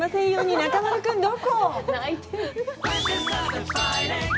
中丸君、どこ？